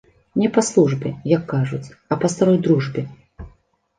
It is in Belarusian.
Не па службе, як кажуць, а па старой дружбе.